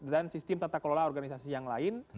dan sistem tata kelola organisasi yang lain